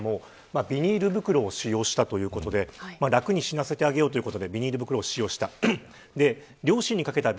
ビニール袋を使用したということで楽に死なせてあげるということでビニール袋を使用した。